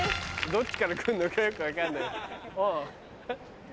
どっちから来るのかよく分かんない。